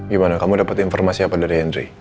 gimana kamu dapat informasi apa dari hendry